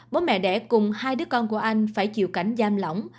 bố mẹ đẻ cùng hai đứa con của anh phải chịu cảnh giam lỏng